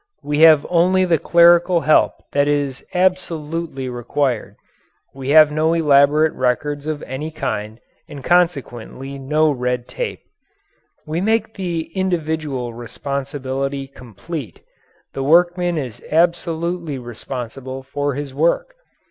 We have only the clerical help that is absolutely required; we have no elaborate records of any kind, and consequently no red tape. We make the individual responsibility complete. The workman is absolutely responsible for his work.